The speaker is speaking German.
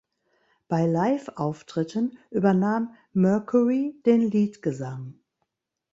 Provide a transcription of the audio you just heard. Bei Live-Auftritten übernahm Mercury den Leadgesang.